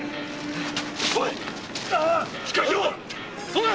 おい！